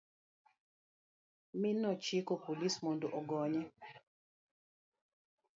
mi nochiko polis mondo ogonye.